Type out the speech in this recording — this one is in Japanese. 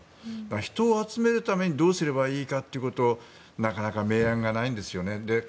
人を集めるためにどうすればいいかということをなかなか明暗がないんですよね。